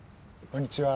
こんにちは。